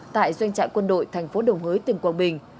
tại doanh trại quân đội tp đồng hới tỉnh quảng bình